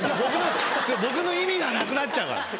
僕の意味がなくなっちゃうから！